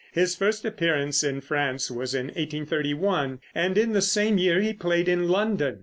His first appearance in France was in 1831, and in the same year he played in London.